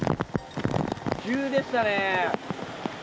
急でしたね。